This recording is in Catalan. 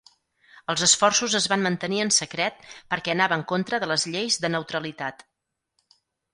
Els esforços es van mantenir en secret perquè anava en contra de les lleis de neutralitat.